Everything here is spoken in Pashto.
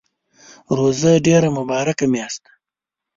روژه ډیره مبارکه میاشت ده